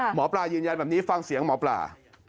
หมอปลายืนยันแบบนี้ฟังเสียงหมอปลา